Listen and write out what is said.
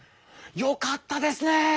よかったですね！